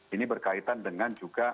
ini berkaitan dengan juga